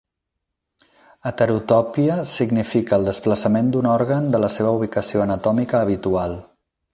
Heterotòpia significa el desplaçament d'un òrgan de la seva ubicació anatòmica habitual.